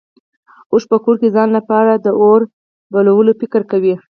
اوښ په کور کې ځان لپاره د اور بلولو فکر کوي.